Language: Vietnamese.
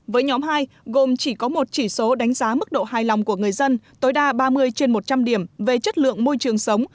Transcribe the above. với nhóm hai gồm chỉ có một chỉ số đánh giá mức độ hài lòng của người dân tối đa ba mươi trên một trăm linh điểm về chất lượng môi trường sống